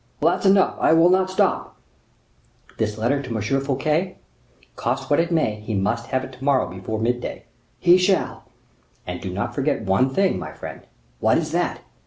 "That's enough; I will not stop." "This letter to M. Fouquet; cost what it may, he must have it to morrow before mid day." "He shall." "And do not forget one thing, my friend." "What is that?"